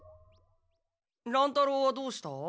乱太郎はどうした？